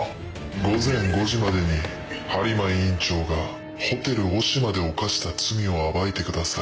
午前５時までに播磨院長がホテルオシマで犯した罪を暴いてください。